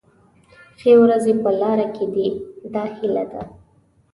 ښې ورځې په لاره کې دي دا هیله ده.